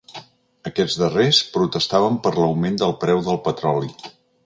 Aquests darrers protestaven per l’augment del preu del petroli.